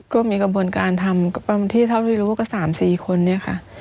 ก็มีกระบวนการทำก็ประมาณที่เท่าที่รู้ว่าก็สามสี่คนนี้ค่ะ